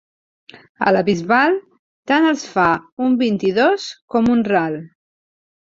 A la Bisbal tant els fa un vint-i-dos com un ral.